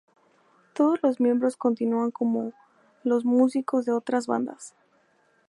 Todos los miembros continúan como los músicos de otras bandas.